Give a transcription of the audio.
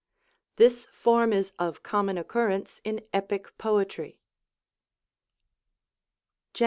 This form is of common occurrence in Epic poetry. Gen.